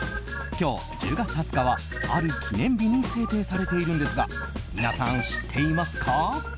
今日、１０月２０日はある記念日に制定されているんですが皆さん、知っていますか？